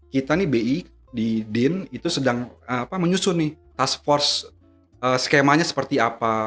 kita nih bi di din itu sedang menyusun nih task force skemanya seperti apa